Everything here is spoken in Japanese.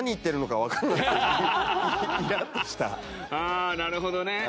ああなるほどね。